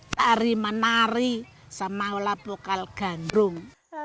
tari menari sama olah vokal gandrung